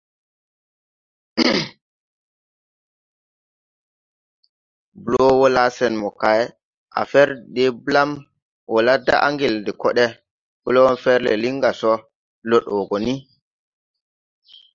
Bloon wɔ laa sen mokay, a fɛr de dee blam wɔ la daʼ ngel de kode. Bloon fɛrle lin ga so, lod wɔ gɔ ni.